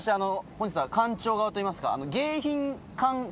本日は館長側といいますか。